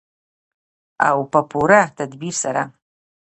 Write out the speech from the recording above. او په پوره تدبیر سره.